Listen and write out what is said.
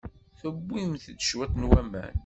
Tewwim-d cwiṭ n waman.